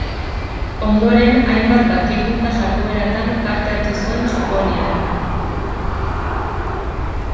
Ondoren, hainbat bakegintza-jardueratan parte hartu zuen Japonian.